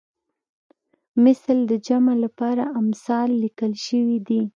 مثل د جمع لپاره امثال لیکل شوی دی